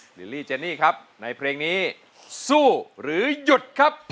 ลี่เจนี่ครับในเพลงนี้สู้หรือหยุดครับ